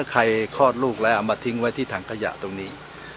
คลอดลูกแล้วเอามาทิ้งไว้ที่ถังขยะตรงนี้